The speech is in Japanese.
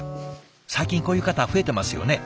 最近こういう方増えてますよね。